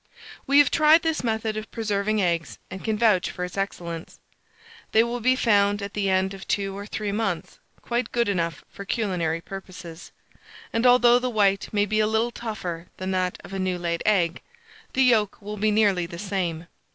We have tried this method of preserving eggs, and can vouch for its excellence: they will be found, at the end of 2 or 3 months, quite good enough for culinary purposes; and although the white may be a little tougher than that of a new laid egg, the yolk will be nearly the same.